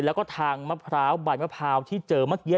แล้วก็ทางมะพร้าวใบมะพร้าวที่เจอเมื่อกี้